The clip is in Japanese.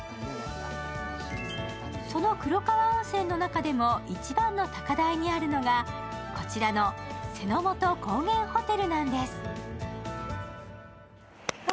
その黒川温泉の中でも一番の高台にあるのがこちらの瀬の本高原ホテルなんです。